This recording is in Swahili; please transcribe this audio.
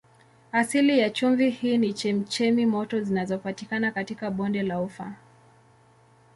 Asili ya chumvi hii ni chemchemi moto zinazopatikana katika bonde la Ufa.